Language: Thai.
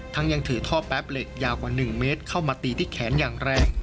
ยังถือท่อแป๊บเหล็กยาวกว่า๑เมตรเข้ามาตีที่แขนอย่างแรง